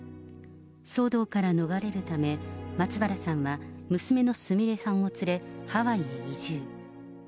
騒動から逃れるため、松原さんは娘のすみれさんを連れ、ハワイへ移住。